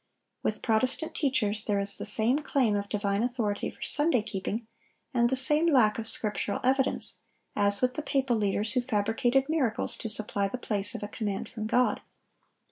With Protestant teachers there is the same claim of divine authority for Sunday keeping, and the same lack of scriptural evidence, as with the papal leaders who fabricated miracles to supply the place of a command from God.